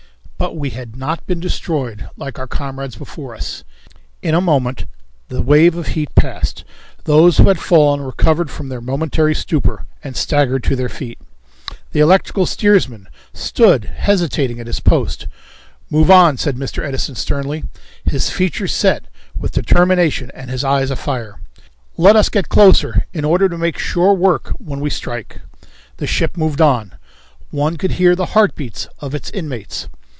But we had not been destroyed like our comrades before us. In a moment the wave of heat passed; those who had fallen recovered from their momentary stupor and staggered to their feet. The electrical steersman stood hesitating at his post. "Move on," said Mr. Edison sternly, his features set with determination and his eyes afire. "We are still beyond their effective range. Let us get closer in order to make sure work when we strike." The ship moved on. One could hear the heartbeats of its inmates.